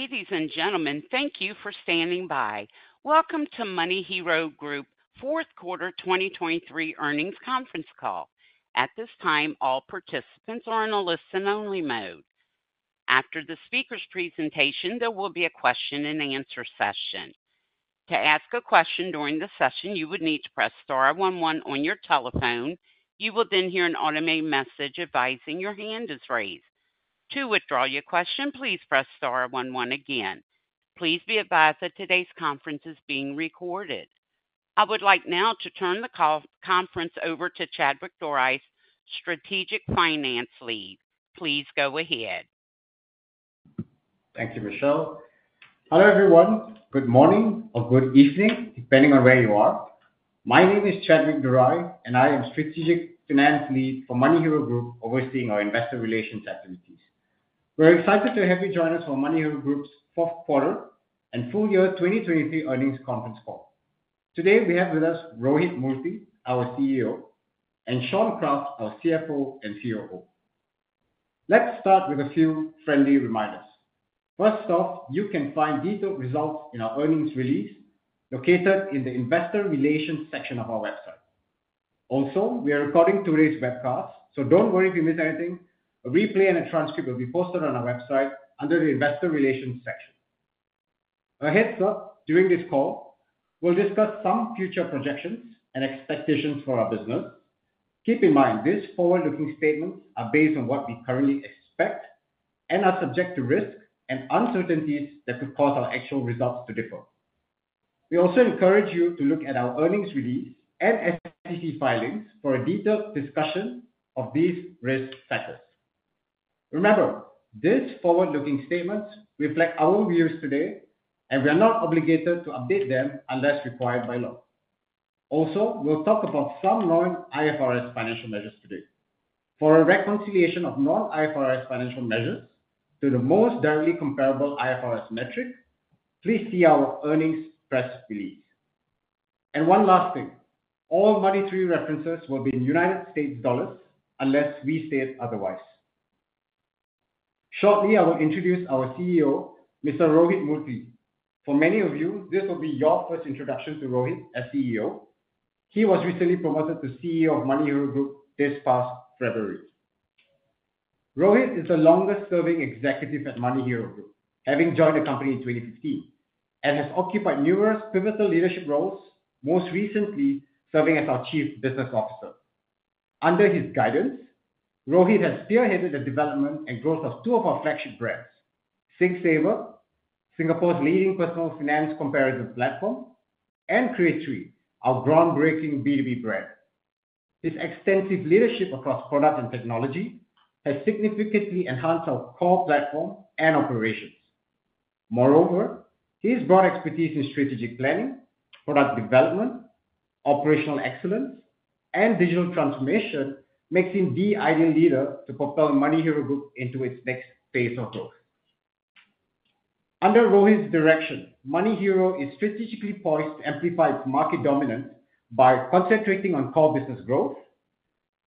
Ladies and gentlemen, thank you for standing by. Welcome to MoneyHero Group Fourth Quarter 2023 Earnings Conference Call. At this time, all participants are in a listen-only mode. After the speaker's presentation, there will be a question-and-answer session. To ask a question during the session, you would need to press star one one on your telephone. You will then hear an automated message advising your hand is raised. To withdraw your question, please press star one one again. Please be advised that today's conference is being recorded. I would like now to turn the conference call over to Chadwick Dorai, Strategic Finance Lead. Please go ahead. Thank you, Michelle. Hello, everyone. Good morning or good evening, depending on where you are. My name is Chadwick Dorai, and I am Strategic Finance Lead for MoneyHero Group, overseeing our investor relations activities. We're excited to have you join us for MoneyHero Group's Fourth Quarter and Full Year 2023 Earnings Conference Call. Today, we have with us Rohith Murthy, our CEO, and Shaun Kraft, our CFO and COO. Let's start with a few friendly reminders. First off, you can find detailed results in our earnings release, located in the investor relations section of our website. Also, we are recording today's webcast, so don't worry if you miss anything. A replay and a transcript will be posted on our website under the Investor Relations section. A heads up, during this call, we'll discuss some future projections and expectations for our business. Keep in mind, these forward-looking statements are based on what we currently expect and are subject to risks and uncertainties that could cause our actual results to differ. We also encourage you to look at our earnings release and SEC filings for a detailed discussion of these risk factors. Remember, these forward-looking statements reflect our views today, and we are not obligated to update them unless required by law. Also, we'll talk about some non-IFRS financial measures today. For a reconciliation of non-IFRS financial measures to the most directly comparable IFRS metric, please see our earnings press release. And one last thing, all monetary references will be in United States dollars unless we say it otherwise. Shortly, I will introduce our CEO, Mr. Rohith Murthy. For many of you, this will be your first introduction to Rohith as CEO. He was recently promoted to CEO of MoneyHero Group this past February. Rohith is the longest-serving executive at MoneyHero Group, having joined the company in 2015, and has occupied numerous pivotal leadership roles, most recently serving as our Chief Business Officer. Under his guidance, Rohith has spearheaded the development and growth of two of our flagship brands, SingSaver, Singapore's leading personal finance comparison platform, and Creatory, our groundbreaking B2B brand. His extensive leadership across product and technology has significantly enhanced our core platform and operations. Moreover, his broad expertise in strategic planning, product development, operational excellence, and digital transformation makes him the ideal leader to propel MoneyHero Group into its next phase of growth. Under Rohith's direction, MoneyHero is strategically poised to amplify its market dominance by concentrating on core business growth,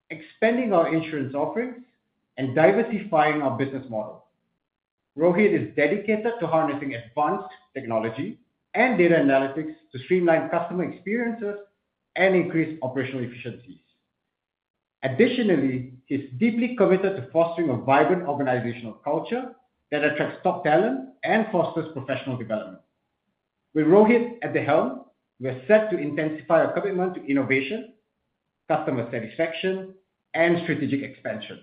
expanding our insurance offerings, and diversifying our business model. Rohith is dedicated to harnessing advanced technology and data analytics to streamline customer experiences and increase operational efficiencies. Additionally, he's deeply committed to fostering a vibrant organizational culture that attracts top talent and fosters professional development. With Rohith at the helm, we are set to intensify our commitment to innovation, customer satisfaction, and strategic expansion.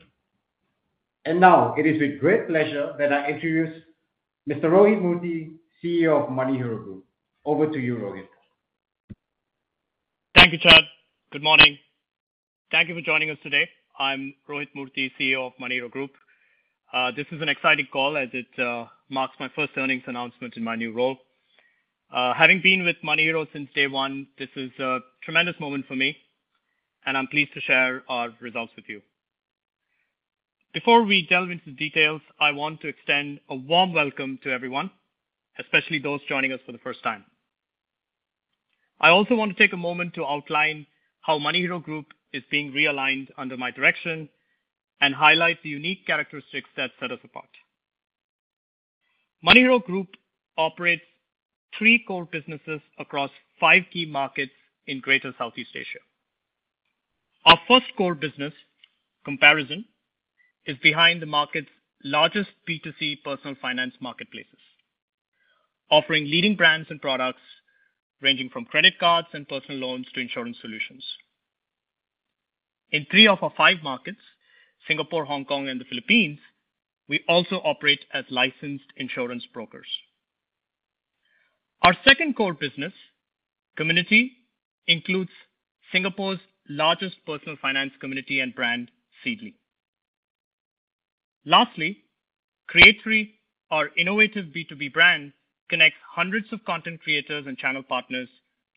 And now, it is with great pleasure that I introduce Mr. Rohith Murthy, CEO of MoneyHero Group. Over to you, Rohith. Thank you, Chad. Good morning. Thank you for joining us today. I'm Rohith Murthy, CEO of MoneyHero Group. This is an exciting call as it marks my first earnings announcement in my new role. Having been with MoneyHero since day one, this is a tremendous moment for me, and I'm pleased to share our results with you. Before we delve into the details, I want to extend a warm welcome to everyone, especially those joining us for the first time. I also want to take a moment to outline how MoneyHero Group is being realigned under my direction and highlight the unique characteristics that set us apart. MoneyHero Group operates three core businesses across five key markets in Greater Southeast Asia. Our first core business, comparison, is behind the market's largest B2C personal finance marketplaces, offering leading brands and products ranging from credit cards and personal loans to insurance solutions. In three of our five markets, Singapore, Hong Kong, and the Philippines, we also operate as licensed insurance brokers. Our second core business, community, includes Singapore's largest personal finance community and brand, Seedly. Lastly, Creatory, our innovative B2B brand, connects hundreds of content creators and channel partners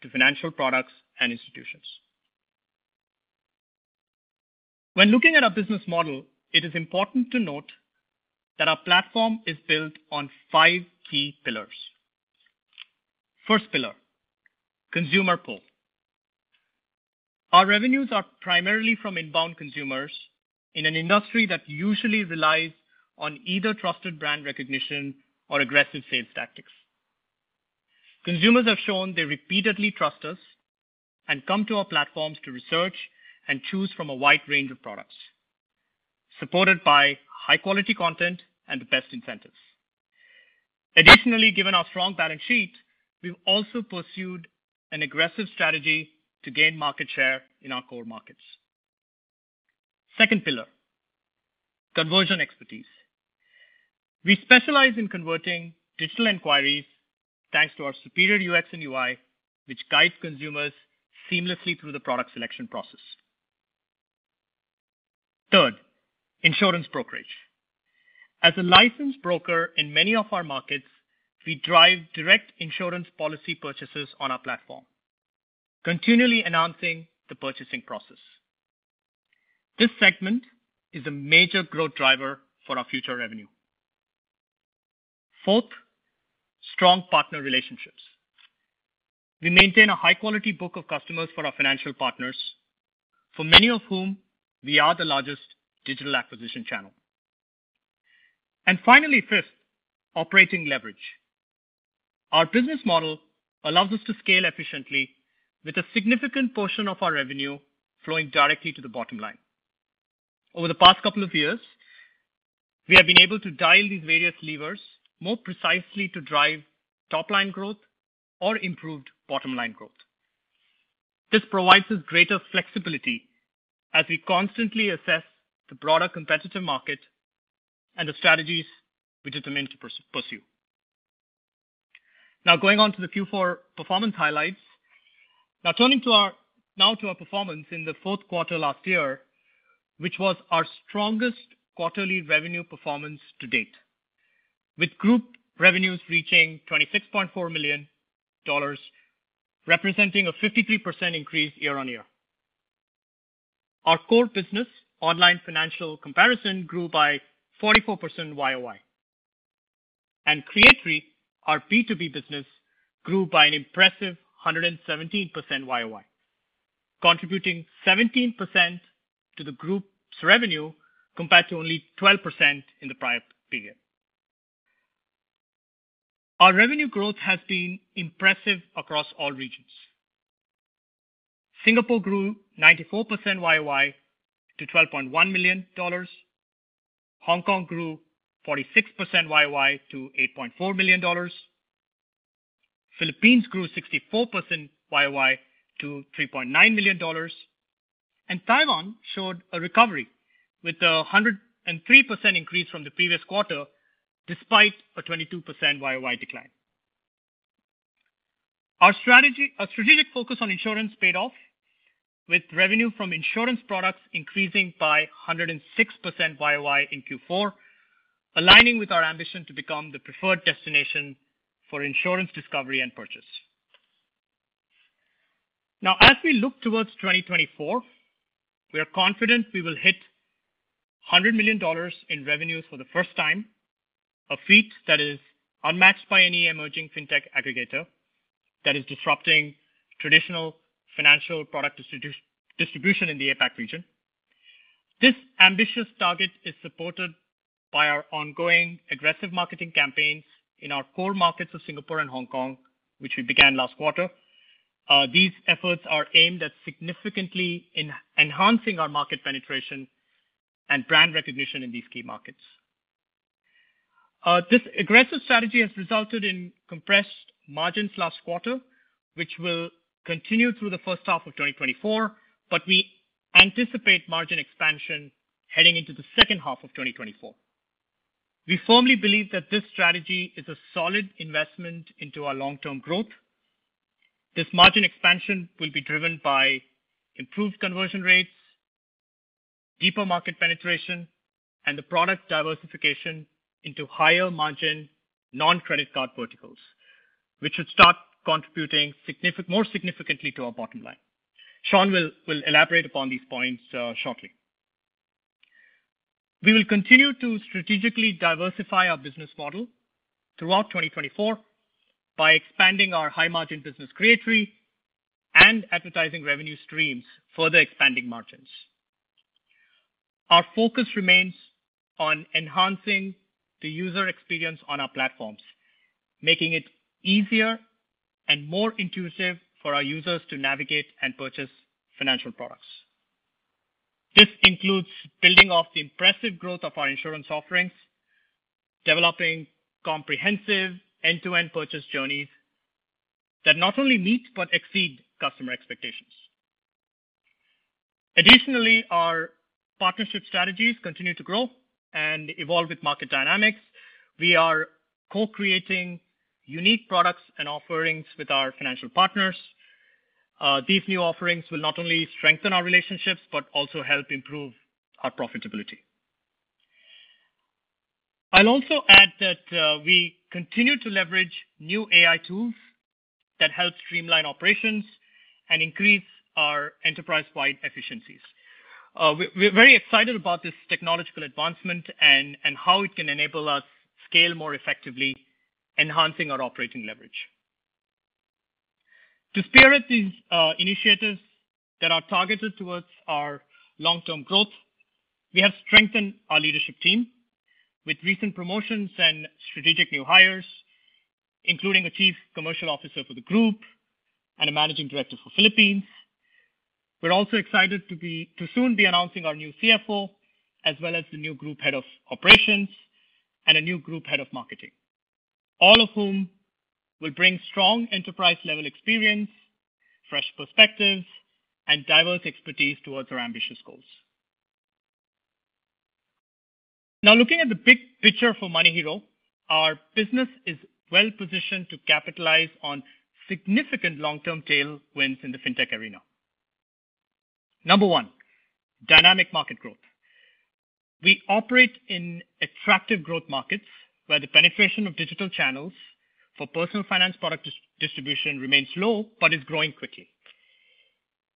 to financial products and institutions. When looking at our business model, it is important to note that our platform is built on five key pillars. First pillar, consumer pool. Our revenues are primarily from inbound consumers in an industry that usually relies on either trusted brand recognition or aggressive sales tactics. Consumers have shown they repeatedly trust us and come to our platforms to research and choose from a wide range of products, supported by high-quality content and the best incentives. Additionally, given our strong balance sheet, we've also pursued an aggressive strategy to gain market share in our core markets. Second pillar, conversion expertise. We specialize in converting digital inquiries thanks to our superior UX and UI, which guides consumers seamlessly through the product selection process. Third, insurance brokerage. As a licensed broker in many of our markets, we drive direct insurance policy purchases on our platform, continually announcing the purchasing process. This segment is a major growth driver for our future revenue. Fourth, strong partner relationships. We maintain a high-quality book of customers for our financial partners, for many of whom we are the largest digital acquisition channel. And finally, fifth, operating leverage. Our business model allows us to scale efficiently with a significant portion of our revenue flowing directly to the bottom line. Over the past couple of years, we have been able to dial these various levers more precisely to drive top-line growth or improved bottom-line growth. This provides us greater flexibility as we constantly assess the broader competitive market and the strategies we determine to pursue. Now, going on to the Q4 performance highlights. Now, turning to our performance in the fourth quarter last year, which was our strongest quarterly revenue performance to date, with group revenues reaching $26.4 million, representing a 53% increase year-on-year. Our core business, online financial comparison, grew by 44% YoY, and Creatory, our B2B business, grew by an impressive 117% YoY, contributing 17% to the group's revenue, compared to only 12% in the prior period. Our revenue growth has been impressive across all regions. Singapore grew 94% YoY to $12.1 million. Hong Kong grew 46% YoY to $8.4 million. Philippines grew 64% YoY to $3.9 million, and Taiwan showed a recovery with a 103% increase from the previous quarter, despite a 22% YoY decline. Our strategy, our strategic focus on insurance paid off, with revenue from insurance products increasing by 106% YoY in Q4, aligning with our ambition to become the preferred destination for insurance discovery and purchase. Now, as we look towards 2024, we are confident we will hit $100 million in revenues for the first time, a feat that is unmatched by any emerging fintech aggregator that is disrupting traditional financial product distribution in the APAC region. This ambitious target is supported by our ongoing aggressive marketing campaigns in our core markets of Singapore and Hong Kong, which we began last quarter. These efforts are aimed at significantly enhancing our market penetration and brand recognition in these key markets. This aggressive strategy has resulted in compressed margins last quarter, which will continue through the first half of 2024, but we anticipate margin expansion heading into the second half of 2024. We firmly believe that this strategy is a solid investment into our long-term growth. This margin expansion will be driven by improved conversion rates, deeper market penetration, and the product diversification into higher-margin, non-credit card verticals, which should start contributing more significantly to our bottom line. Shaun will elaborate upon these points shortly. We will continue to strategically diversify our business model throughout 2024 by expanding our high-margin business Creatory and advertising revenue streams, further expanding margins. Our focus remains on enhancing the user experience on our platforms, making it easier and more intuitive for our users to navigate and purchase financial products. This includes building off the impressive growth of our insurance offerings, developing comprehensive end-to-end purchase journeys that not only meet but exceed customer expectations. Additionally, our partnership strategies continue to grow and evolve with market dynamics. We are co-creating unique products and offerings with our financial partners. These new offerings will not only strengthen our relationships, but also help improve our profitability. I'll also add that, we continue to leverage new AI tools that help streamline operations and increase our enterprise-wide efficiencies. We're very excited about this technological advancement and how it can enable us scale more effectively, enhancing our operating leverage. To support these initiatives that are targeted towards our long-term growth, we have strengthened our leadership team with recent promotions and strategic new hires, including a Chief Commercial Officer for the group and a Managing Director for Philippines. We're also excited to soon be announcing our new CFO, as well as the new Group Head of Operations and a new group Head of Marketing, all of whom will bring strong enterprise-level experience, fresh perspectives, and diverse expertise towards our ambitious goals. Now, looking at the big picture for MoneyHero, our business is well positioned to capitalize on significant long-term tailwinds in the fintech arena. Number one, dynamic market growth. We operate in attractive growth markets, where the penetration of digital channels for personal finance product distribution remains low, but is growing quickly.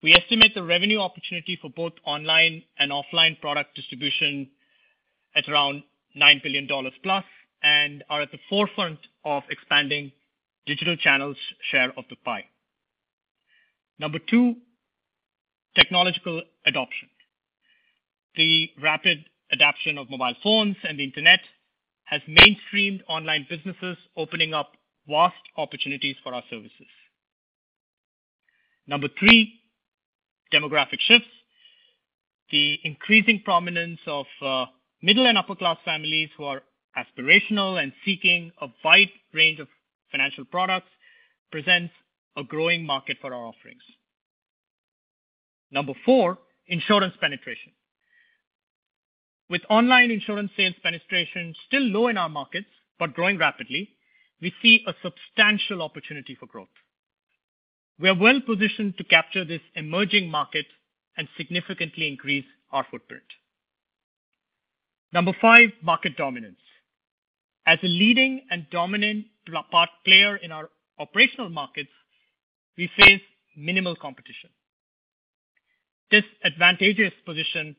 We estimate the revenue opportunity for both online and offline product distribution at around $9+ billion, and are at the forefront of expanding digital channels share of the pie. Number two, technological adoption. The rapid adoption of mobile phones and the internet has mainstreamed online businesses, opening up vast opportunities for our services. Number three, demographic shifts. The increasing prominence of middle and upper-class families who are aspirational and seeking a wide range of financial products presents a growing market for our offerings. Number four, insurance penetration. With online insurance sales penetration still low in our markets, but growing rapidly, we see a substantial opportunity for growth. We are well positioned to capture this emerging market and significantly increase our footprint. Number five, market dominance. As a leading and dominant player in our operational markets, we face minimal competition. This advantageous position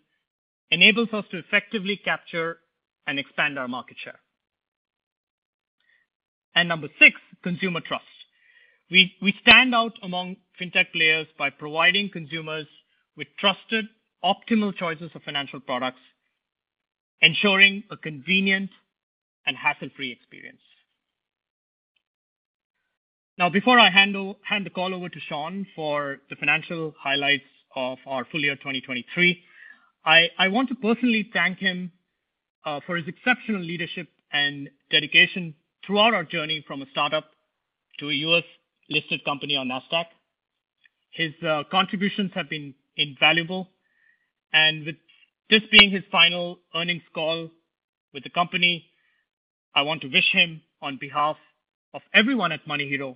enables us to effectively capture and expand our market share. Number six, consumer trust. We stand out among fintech players by providing consumers with trusted, optimal choices of financial products, ensuring a convenient and hassle-free experience. Now, before I hand the call over to Shaun for the financial highlights of our full year 2023, I want to personally thank him for his exceptional leadership and dedication throughout our journey from a startup to a U.S.-listed company on NASDAQ. His contributions have been invaluable, and with this being his final earnings call with the company, I want to wish him, on behalf of everyone at MoneyHero,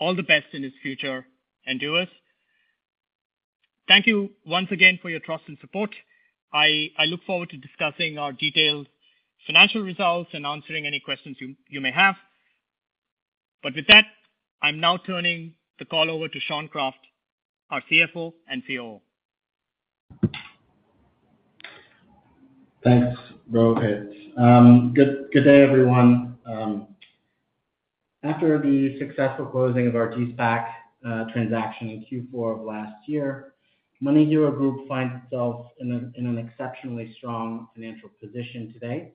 all the best in his future endeavors. Thank you once again for your trust and support. I look forward to discussing our detailed financial results and answering any questions you may have. But with that, I'm now turning the call over to Shaun Kraft, our CFO and COO. Thanks, Rohith. Good day, everyone. After the successful closing of our de-SPAC transaction in Q4 of last year, MoneyHero Group finds itself in an exceptionally strong financial position today,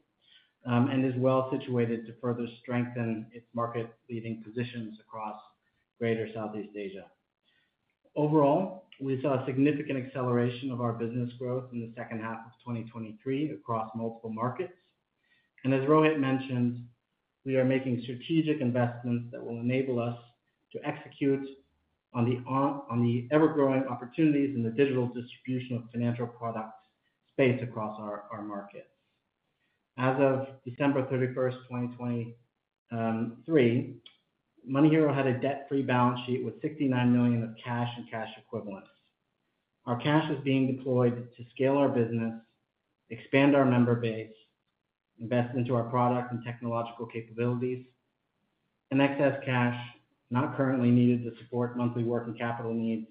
and is well situated to further strengthen its market-leading positions across Greater Southeast Asia. Overall, we saw a significant acceleration of our business growth in the second half of 2023 across multiple markets, and as Rohith mentioned, we are making strategic investments that will enable us to execute on the ever-growing opportunities in the digital distribution of financial products space across our markets. As of December 31st, 2023, MoneyHero had a debt-free balance sheet with $69 million of cash and cash equivalents. Our cash is being deployed to scale our business, expand our member base, invest into our product and technological capabilities, and excess cash, not currently needed to support monthly working capital needs,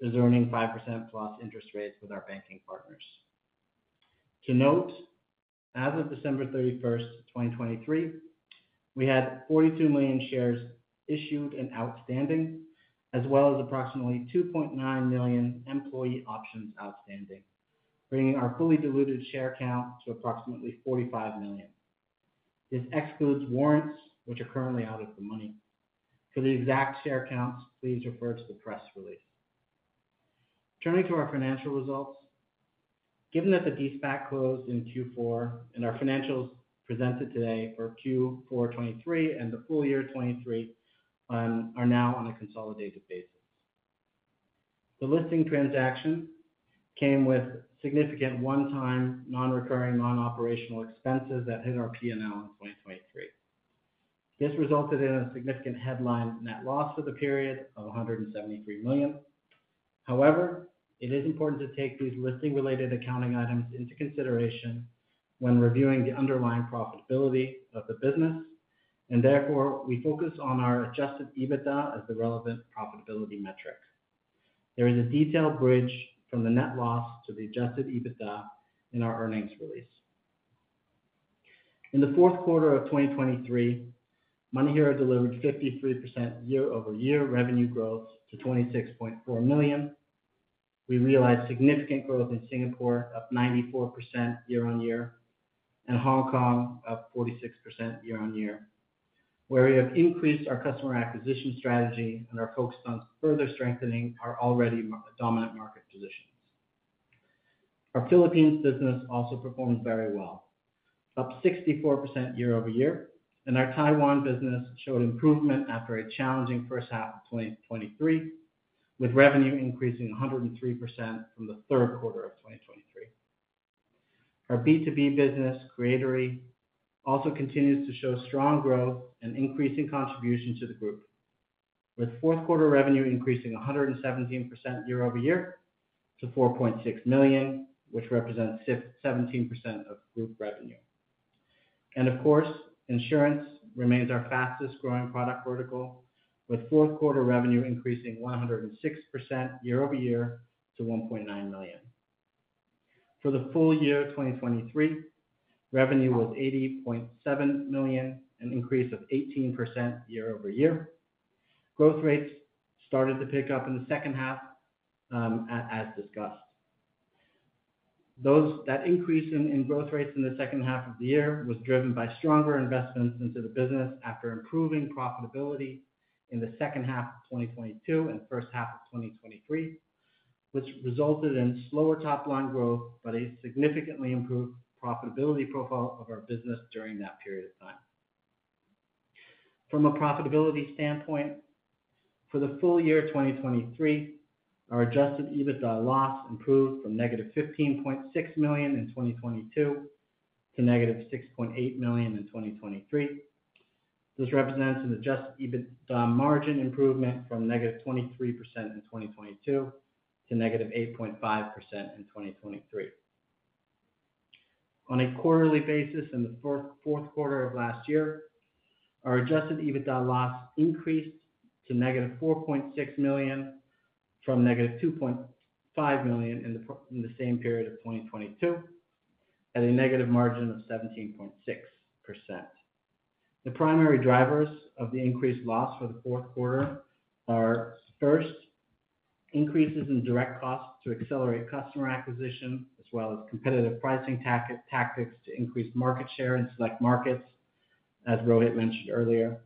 is earning 5%+ interest rates with our banking partners. To note, as of December 31st, 2023, we had 42 million shares issued and outstanding, as well as approximately 2.9 million employee options outstanding, bringing our fully diluted share count to approximately 45 million. This excludes warrants, which are currently out of the money. For the exact share counts, please refer to the press release. Turning to our financial results. Given that the de-SPAC closed in Q4, and our financials presented today for Q4 2023 and the full year 2023, are now on a consolidated basis. The listing transaction came with significant one-time, non-recurring, non-operational expenses that hit our P&L in 2023. This resulted in a significant headline net loss for the period of $173 million. However, it is important to take these listing-related accounting items into consideration when reviewing the underlying profitability of the business. Therefore, we focus on our adjusted EBITDA as the relevant profitability metric. There is a detailed bridge from the net loss to the adjusted EBITDA in our earnings release. In the fourth quarter of 2023, MoneyHero delivered 53% year-over-year revenue growth to $26.4 million. We realized significant growth in Singapore, up 94% year-on-year, and Hong Kong, up 46% year-on-year, where we have increased our customer acquisition strategy and are focused on further strengthening our already market-dominant market positions. Our Philippines business also performed very well, up 64% year-over-year, and our Taiwan business showed improvement after a challenging first half of 2023, with revenue increasing 103% from the third quarter of 2023. Our B2B business, Creatory, also continues to show strong growth and increasing contribution to the group, with fourth quarter revenue increasing 117% year-over-year to $4.6 million, which represents 17% of group revenue. And of course, insurance remains our fastest growing product vertical, with fourth quarter revenue increasing 106% year-over-year to $1.9 million. For the full year 2023, revenue was $80.7 million, an increase of 18% year-over-year. Growth rates started to pick up in the second half, as discussed. That increase in growth rates in the second half of the year was driven by stronger investments into the business after improving profitability in the second half of 2022 and first half of 2023, which resulted in slower top-line growth, but a significantly improved profitability profile of our business during that period of time. From a profitability standpoint, for the full year 2023, our adjusted EBITDA loss improved from $-15.6 million in 2022 to $-6.8 million in 2023. This represents an Adjusted EBITDA margin improvement from -23% in 2022 to -8.5% in 2023. On a quarterly basis, in the fourth quarter of last year, our adjusted EBITDA loss increased to $-4.6 million, from $-2.5 million in the same period of 2022, at a negative margin of 17.6%. The primary drivers of the increased loss for the fourth quarter are, first, increases in direct costs to accelerate customer acquisition, as well as competitive pricing tactics to increase market share in select markets, as Rohith mentioned earlier.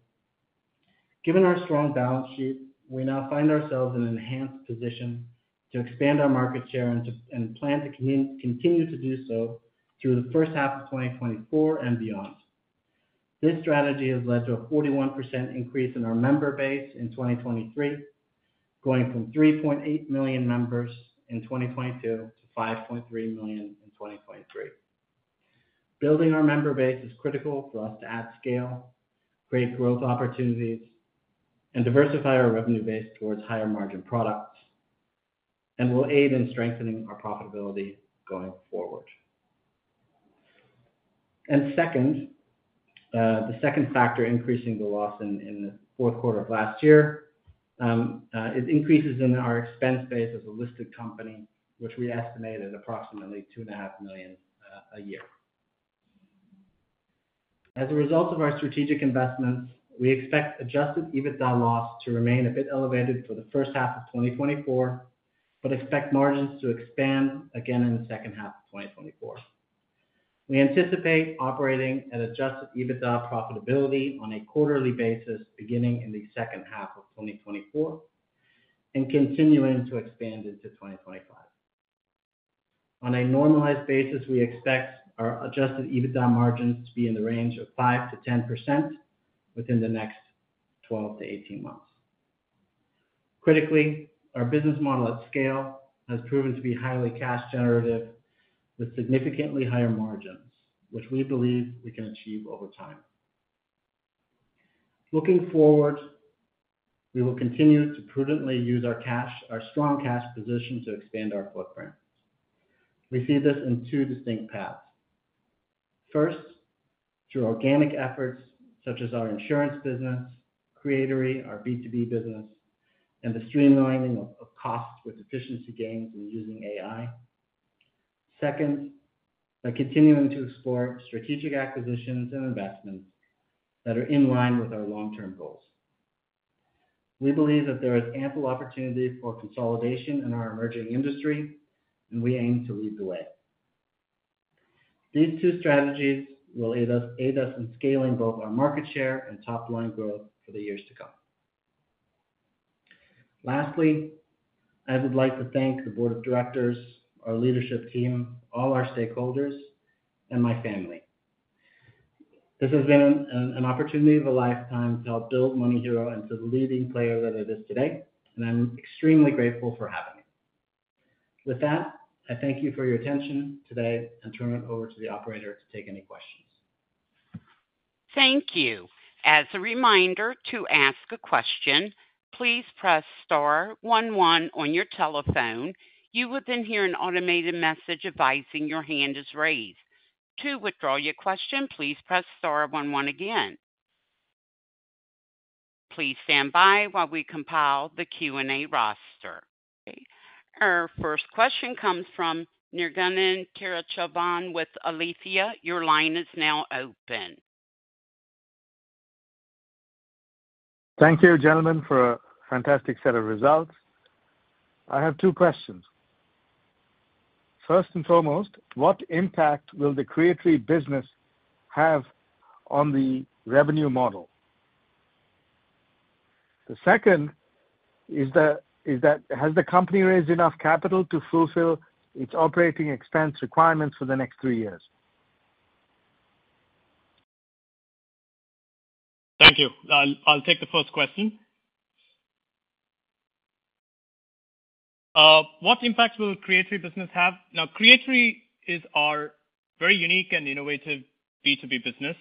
Given our strong balance sheet, we now find ourselves in an enhanced position to expand our market share and plan to continue to do so through the first half of 2024 and beyond. This strategy has led to a 41% increase in our member base in 2023, going from 3.8 million members in 2022 to 5.3 million in 2023. Building our member base is critical for us to add scale, create growth opportunities, and diversify our revenue base towards higher margin products, and will aid in strengthening our profitability going forward. And second, the second factor increasing the loss in the fourth quarter of last year is increases in our expense base as a listed company, which we estimate at approximately $2.5 million a year. As a result of our strategic investments, we expect adjusted EBITDA loss to remain a bit elevated for the first half of 2024, but expect margins to expand again in the second half of 2024. We anticipate operating at adjusted EBITDA profitability on a quarterly basis, beginning in the second half of 2024 and continuing to expand into 2025. On a normalized basis, we expect our adjusted EBITDA margins to be in the range of 5%-10% within the next 12-18 months. Critically, our business model at scale has proven to be highly cash generative, with significantly higher margins, which we believe we can achieve over time. Looking forward, we will continue to prudently use our cash, our strong cash position, to expand our footprint. We see this in two distinct paths: First, through organic efforts such as our insurance business, Creatory, our B2B business, and the streamlining of costs with efficiency gains in using AI. Second, by continuing to explore strategic acquisitions and investments that are in line with our long-term goals. We believe that there is ample opportunity for consolidation in our emerging industry, and we aim to lead the way. These two strategies will aid us in scaling both our market share and top-line growth for the years to come. Lastly, I would like to thank the board of directors, our leadership team, all our stakeholders, and my family. This has been an opportunity of a lifetime to help build MoneyHero into the leading player that it is today, and I'm extremely grateful for having it. With that, I thank you for your attention today and turn it over to the operator to take any questions. Thank you. As a reminder, to ask a question, please press star one one on your telephone. You will then hear an automated message advising your hand is raised. To withdraw your question, please press star one one again. Please stand by while we compile the Q&A roster. Okay. Our first question comes from Nirgunan Tiruchelvam with Aletheia. Your line is now open. Thank you, gentlemen, for a fantastic set of results. I have two questions: First and foremost, what impact will the Creatory business have on the revenue model? The second is, has the company raised enough capital to fulfill its operating expense requirements for the next three years? Thank you. I'll take the first question. What impact will Creatory business have? Now, Creatory is our very unique and innovative B2B business,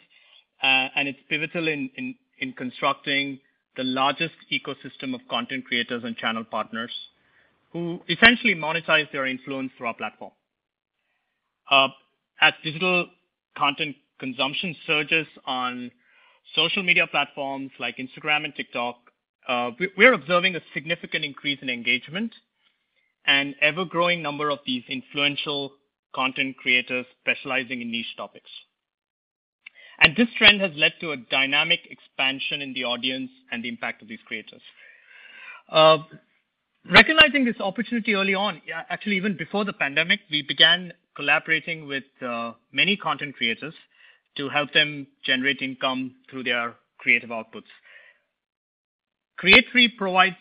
and it's pivotal in constructing the largest ecosystem of content creators and channel partners, who essentially monetize their influence through our platform. As digital content consumption surges on social media platforms like Instagram and TikTok, we're observing a significant increase in engagement and ever-growing number of these influential content creators specializing in niche topics. This trend has led to a dynamic expansion in the audience and the impact of these creators. Recognizing this opportunity early on, yeah, actually, even before the pandemic, we began collaborating with many content creators to help them generate income through their creative outputs. Creatory provides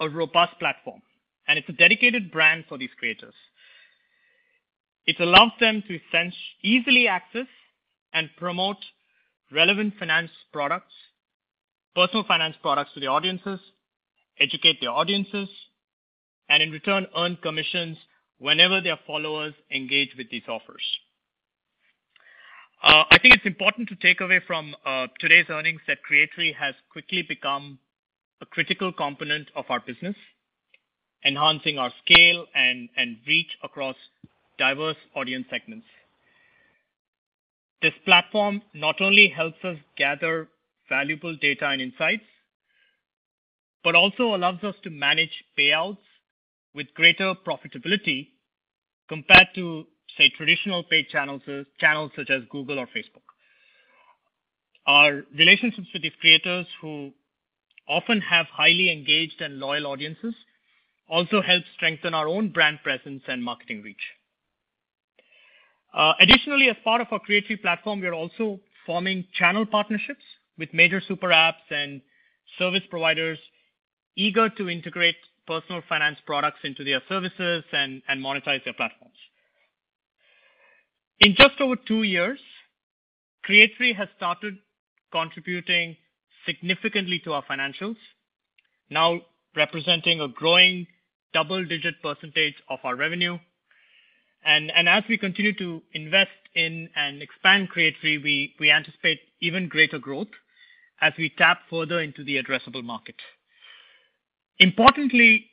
a robust platform, and it's a dedicated brand for these creators. It allows them to essentially easily access and promote relevant finance products, personal finance products to their audiences, educate their audiences, and in return, earn commissions whenever their followers engage with these offers. I think it's important to take away from today's earnings that Creatory has quickly become a critical component of our business, enhancing our scale and reach across diverse audience segments. This platform not only helps us gather valuable data and insights, but also allows us to manage payouts with greater profitability compared to, say, traditional paid channels such as Google or Facebook. Our relationships with these creators, who often have highly engaged and loyal audiences, also helps strengthen our own brand presence and marketing reach. Additionally, as part of our Creatory platform, we are also forming channel partnerships with major super apps and service providers eager to integrate personal finance products into their services and, and monetize their platforms. In just over two years, Creatory has started contributing significantly to our financials, now representing a growing double-digit percentage of our revenue. And, and as we continue to invest in and expand Creatory, we, we anticipate even greater growth as we tap further into the addressable market. Importantly,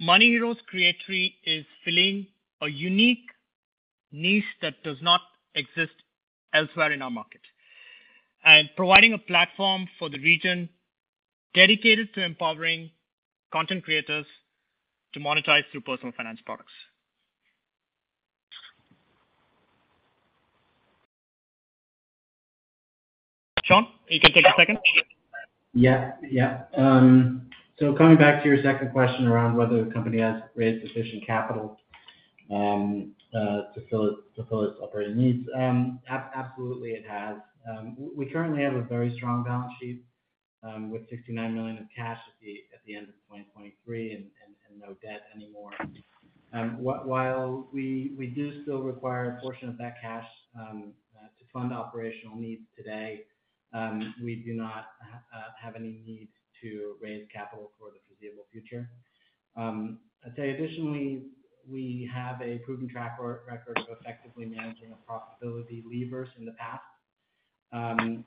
MoneyHero's Creatory is filling a unique niche that does not exist elsewhere in our market, and providing a platform for the region dedicated to empowering content creators to monetize through personal finance products. Shaun, you can take a second? Yeah. Yeah. So coming back to your second question around whether the company has raised sufficient capital to fill its operating needs. Absolutely, it has. We currently have a very strong balance sheet with $69 million of cash at the end of 2023 and no debt anymore. While we do still require a portion of that cash to fund operational needs today, we do not have any need to raise capital for the foreseeable future. I'd say additionally, we have a proven track record of effectively managing the profitability levers in the past and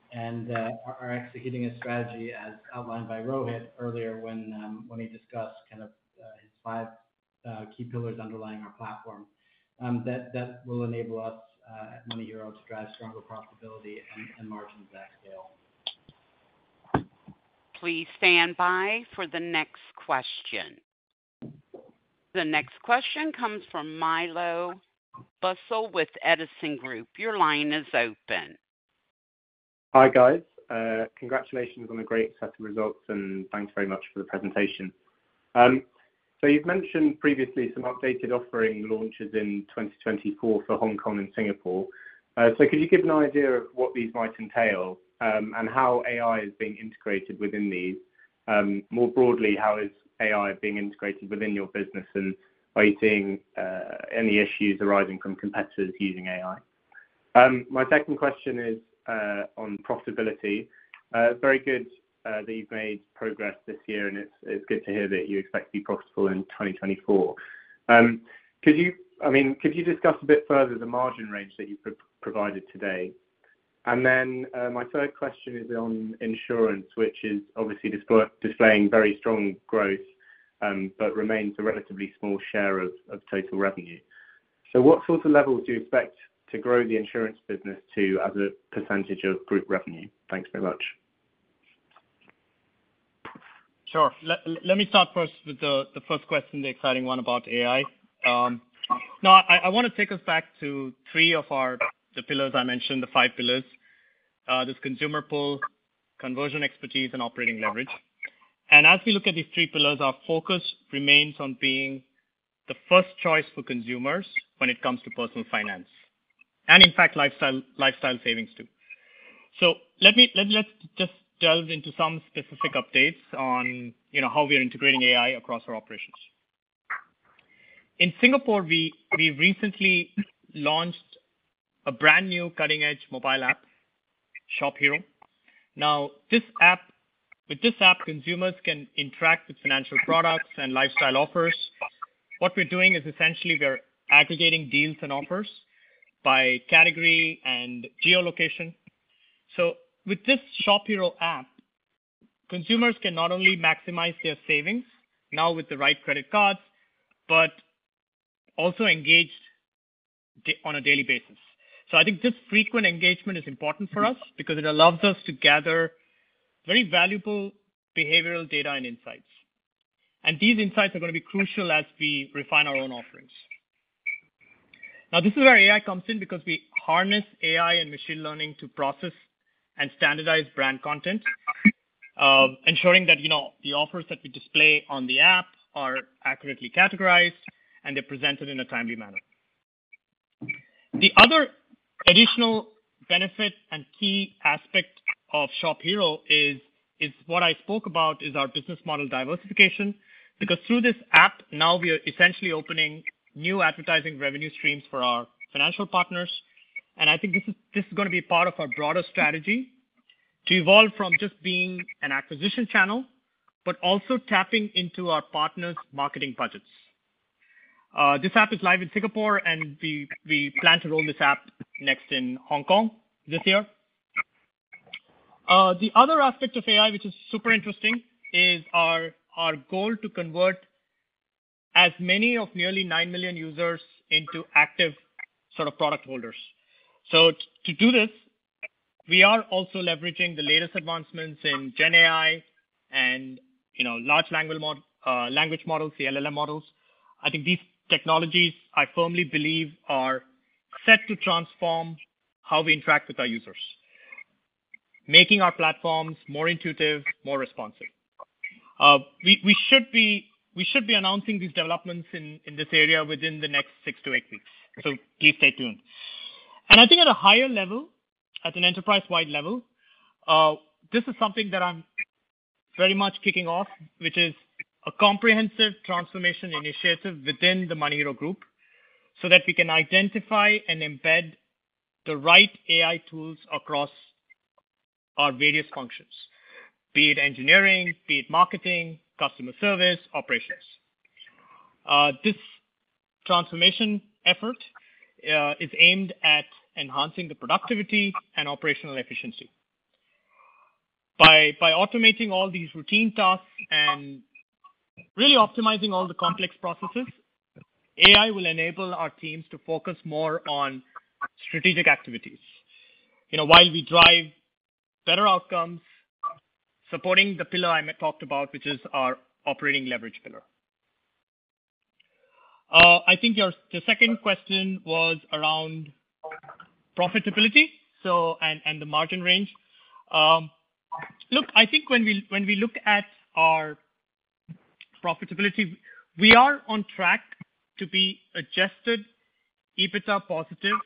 are executing a strategy as outlined by Rohith earlier when he discussed kind of his five key pillars underlying our platform. That will enable us at MoneyHero to drive stronger profitability and margin at scale. Please stand by for the next question. The next question comes from Milo Bussell with Edison Group. Your line is open. Hi, guys. Congratulations on a great set of results, and thanks very much for the presentation. So you've mentioned previously some updated offering launches in 2024 for Hong Kong and Singapore. Could you give an idea of what these might entail, and how AI is being integrated within these? More broadly, how is AI being integrated within your business, and are you seeing any issues arising from competitors using AI? My second question is on profitability. Very good that you've made progress this year, and it's good to hear that you expect to be profitable in 2024. Could you, I mean, could you discuss a bit further the margin range that you provided today? Then, my third question is on insurance, which is obviously displaying very strong growth, but remains a relatively small share of, of total revenue. So what sort of levels do you expect to grow the insurance business to as a percentage of group revenue? Thanks very much. Sure. Let me start first with the first question, the exciting one about AI. Now I wanna take us back to three of our pillars I mentioned, the five pillars. There's consumer pool, conversion expertise, and operating leverage. And as we look at these three pillars, our focus remains on being the first choice for consumers when it comes to personal finance, and in fact, lifestyle, lifestyle savings, too. So let's just delve into some specific updates on, you know, how we are integrating AI across our operations. In Singapore, we recently launched a brand-new cutting-edge mobile app, ShopHero. Now, with this app, consumers can interact with financial products and lifestyle offers. What we're doing is essentially we're aggregating deals and offers by category and geolocation. So with this ShopHero app, consumers can not only maximize their savings, now with the right credit cards, but also engaged on a daily basis. So I think this frequent engagement is important for us because it allows us to gather very valuable behavioral data and insights. And these insights are gonna be crucial as we refine our own offerings. Now, this is where AI comes in because we harness AI and machine learning to process and standardize brand content, ensuring that, you know, the offers that we display on the app are accurately categorized, and they're presented in a timely manner. The other additional benefit and key aspect of ShopHero is what I spoke about, is our business model diversification. Because through this app, now we are essentially opening new advertising revenue streams for our financial partners, and I think this is gonna be part of our broader strategy to evolve from just being an acquisition channel, but also tapping into our partners' marketing budgets. This app is live in Singapore, and we plan to roll this app next in Hong Kong this year. The other aspect of AI, which is super interesting, is our goal to convert as many of nearly 9 million users into active sort of product holders. To do this, we are also leveraging the latest advancements in GenAI and, you know, large language models, the LLM models. I think these technologies, I firmly believe, are set to transform how we interact with our users, making our platforms more intuitive, more responsive. We should be announcing these developments in this area within the next six to eight weeks, so please stay tuned. I think at a higher level, at an enterprise-wide level, this is something that I'm very much kicking off, which is a comprehensive transformation initiative within the MoneyHero Group, so that we can identify and embed the right AI tools across our various functions, be it engineering, be it marketing, customer service, operations. This transformation effort is aimed at enhancing the productivity and operational efficiency. By automating all these routine tasks and really optimizing all the complex processes, AI will enable our teams to focus more on strategic activities, you know, while we drive better outcomes, supporting the pillar I talked about, which is our operating leverage pillar. I think your. The second question was around profitability and the margin range. Look, I think when we look at our profitability, we are on track to be adjusted EBITDA positive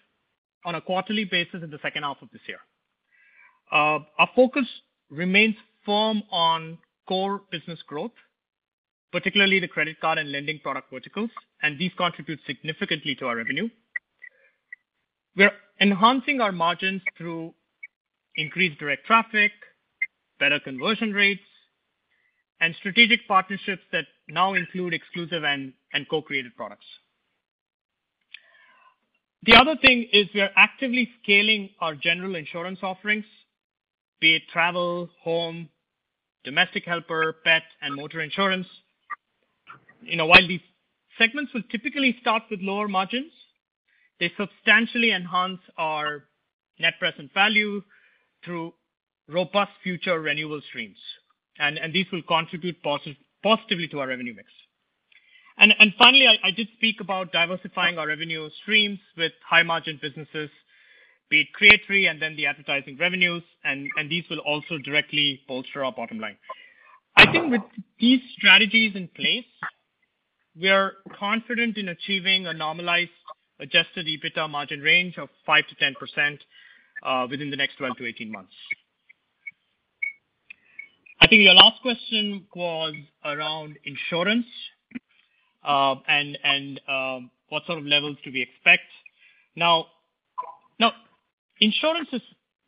on a quarterly basis in the second half of this year. Our focus remains firm on core business growth, particularly the credit card and lending product verticals, and these contribute significantly to our revenue. We're enhancing our margins through increased direct traffic, better conversion rates, and strategic partnerships that now include exclusive and co-created products. The other thing is we are actively scaling our general insurance offerings, be it travel, home, domestic helper, pet, and motor insurance. You know, while these segments will typically start with lower margins, they substantially enhance our Net Present Value through robust future renewal streams, and these will contribute positively to our revenue mix. Finally, I did speak about diversifying our revenue streams with high-margin businesses, be it Creatory and then the advertising revenues, and these will also directly bolster our bottom line. I think with these strategies in place, we are confident in achieving a normalized, adjusted EBITDA margin range of 5%-10% within the next 12-18 months. I think your last question was around insurance, and what sort of levels do we expect? The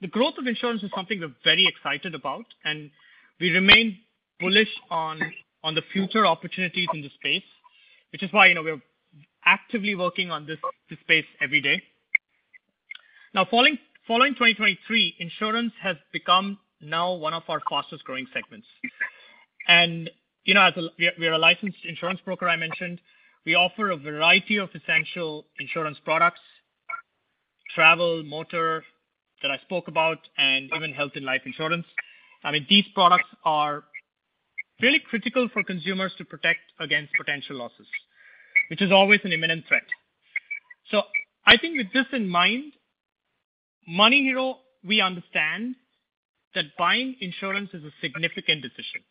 growth of insurance is something we're very excited about, and we remain bullish on the future opportunities in this space, which is why, you know, we're actively working on this space every day. Now, following 2023, insurance has become now one of our fastest-growing segments. You know, as we are a licensed insurance broker, I mentioned. We offer a variety of essential insurance products, travel, motor, that I spoke about, and even health and life insurance. I mean, these products are really critical for consumers to protect against potential losses, which is always an imminent threat. So I think with this in mind, MoneyHero, we understand that buying insurance is a significant decision,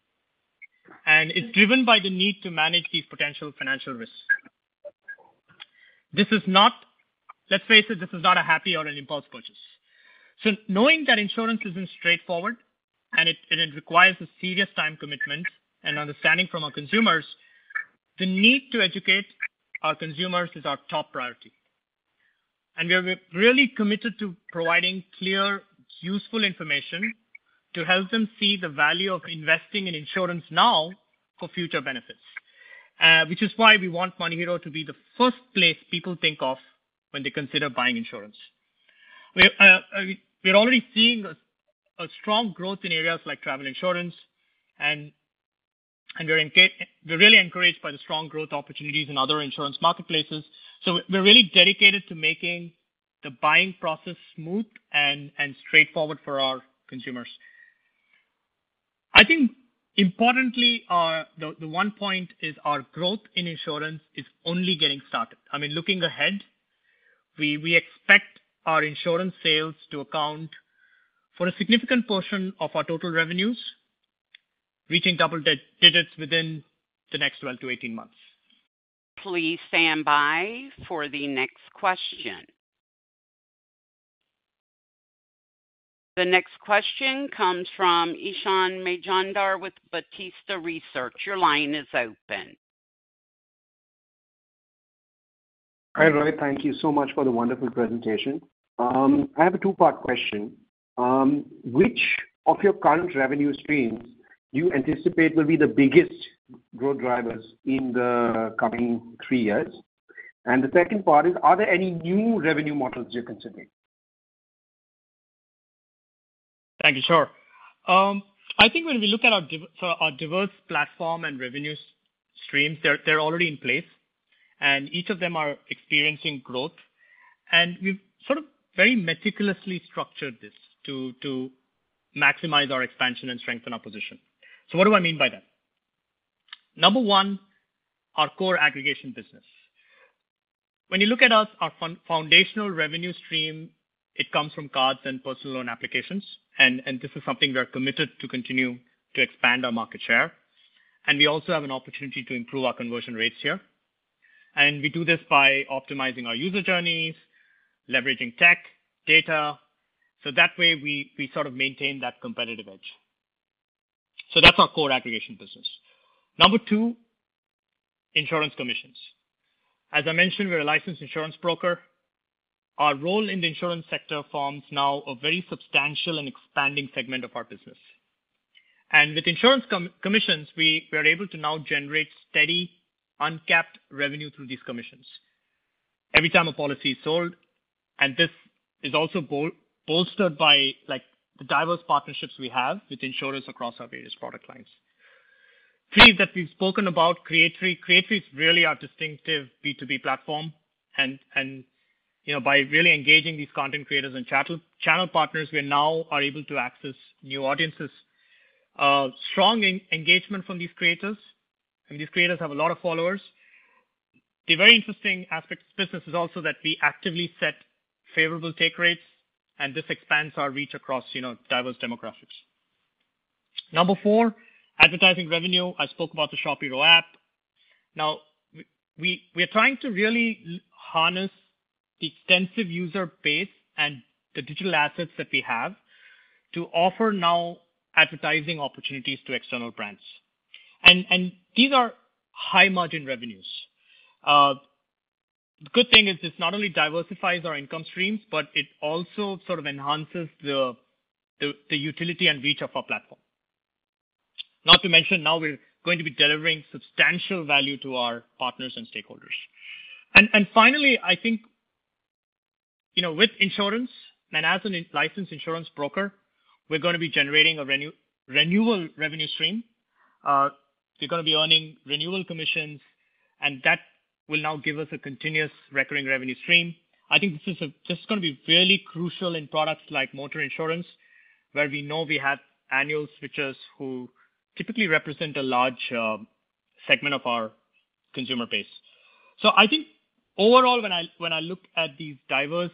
and it's driven by the need to manage these potential financial risks. This is not. Let's face it, this is not a happy or an impulse purchase. So knowing that insurance isn't straightforward, and it requires a serious time commitment and understanding from our consumers, the need to educate our consumers is our top priority. We are really committed to providing clear, useful information to help them see the value of investing in insurance now for future benefits, which is why we want MoneyHero to be the first place people think of when they consider buying insurance. We're already seeing a strong growth in areas like travel insurance, and we're really encouraged by the strong growth opportunities in other insurance marketplaces. So we're really dedicated to making the buying process smooth and straightforward for our consumers. I think importantly, the one point is our growth in insurance is only getting started. I mean, looking ahead, we expect our insurance sales to account for a significant portion of our total revenues, reaching double digits within the next 12-18 months. Please stand by for the next question. The next question comes from Ishan Majumdar with Baptista Research. Your line is open. Hi, Rohith. Thank you so much for the wonderful presentation. I have a two-part question. Which of your current revenue streams you anticipate will be the biggest growth drivers in the coming three years? And the second part is, are there any new revenue models you're considering? Thank you. Sure. I think when we look at our diverse platform and revenue streams, they're already in place, and each of them are experiencing growth. And we've sort of very meticulously structured this to maximize our expansion and strengthen our position. So what do I mean by that? Number one, our core aggregation business. When you look at us, our foundational revenue stream, it comes from cards and personal loan applications, and this is something we are committed to continue to expand our market share, and we also have an opportunity to improve our conversion rates here. And we do this by optimizing our user journeys, leveraging tech, data, so that way we sort of maintain that competitive edge. So that's our core aggregation business. Number two, insurance commissions. As I mentioned, we're a licensed insurance broker. Our role in the insurance sector forms now a very substantial and expanding segment of our business. And with insurance commissions, we are able to now generate steady, uncapped revenue through these commissions. Every time a policy is sold, and this is also bolstered by, like, the diverse partnerships we have with insurers across our various product lines. Three, that we've spoken about, Creatory. Creatory is really our distinctive B2B platform, and, you know, by really engaging these content creators and channel partners, we now are able to access new audiences. Strong engagement from these creators, and these creators have a lot of followers. The very interesting aspect of this business is also that we actively set favorable take rates, and this expands our reach across, you know, diverse demographics. Number four, advertising revenue. I spoke about the ShopHero app. Now, we are trying to really harness the extensive user base and the digital assets that we have to offer advertising opportunities to external brands. And these are high-margin revenues. The good thing is this not only diversifies our income streams, but it also sort of enhances the utility and reach of our platform. Not to mention, now we're going to be delivering substantial value to our partners and stakeholders. And finally, I think, you know, with insurance, and as a licensed insurance broker, we're gonna be generating a renewal revenue stream. We're gonna be earning renewal commissions, and that will now give us a continuous recurring revenue stream. I think this is just gonna be really crucial in products like motor insurance, where we know we have annual switchers who typically represent a large segment of our consumer base. So I think overall, when I, when I look at these diverse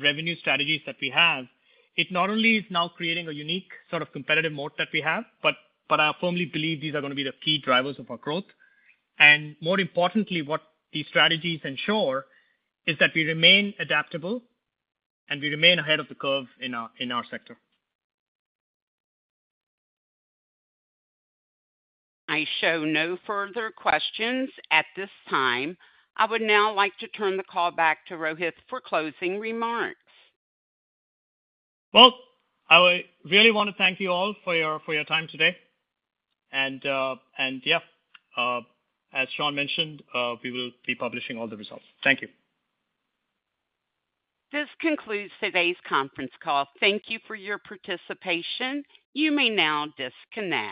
revenue strategies that we have, it not only is now creating a unique sort of competitive moat that we have, but, but I firmly believe these are gonna be the key drivers of our growth. And more importantly, what these strategies ensure is that we remain adaptable, and we remain ahead of the curve in our, in our sector. I show no further questions at this time. I would now like to turn the call back to Rohith for closing remarks. Well, I really wanna thank you all for your time today. Yeah, as Shaun mentioned, we will be publishing all the results. Thank you. This concludes today's conference call. Thank you for your participation. You may now disconnect.